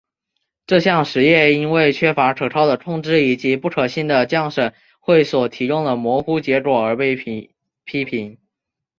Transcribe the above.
这项实验因为缺乏可靠的控制以及不可信的降神会所提供的模糊结果而被批评。